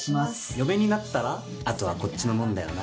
嫁になったらあとはこっちのもんだよな。